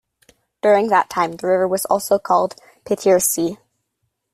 During that time the river was also called Pidhirtsi.